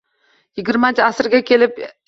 Yigirmanchi asrga kelib esa